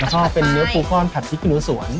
แล้วก็เป็นเนื้อปูคอนผัดพริกขี้หนูสวน